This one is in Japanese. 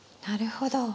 なるほど。